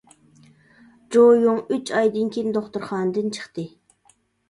جۇ يۇڭ ئۈچ ئايدىن كېيىن دوختۇرخانىدىن چىقتى.